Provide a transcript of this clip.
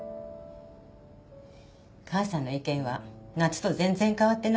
母さんの意見は夏と全然変わってないわ。